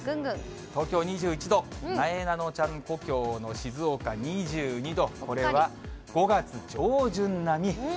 東京２１度、なえなのちゃんの故郷の静岡２２度、これは５月上旬並み。